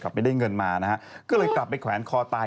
ไม่ได้เงินมานะฮะก็เลยกลับไปแขวนคอตาย